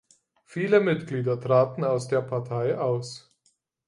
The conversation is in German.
Viele Mitglieder traten aus der Partei aus.